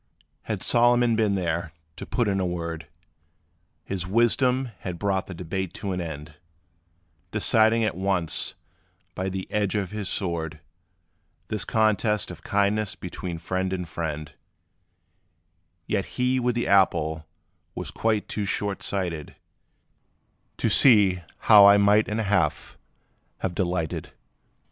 Had Solomon been there to put in a word, His wisdom had brought the debate to an end, Deciding at once, by the edge of his sword, This contest of kindness between friend and friend: Yet he with the apple was quite too short sighted To see how I might in a half have delighted.